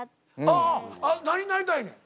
ああああ何になりたいねん？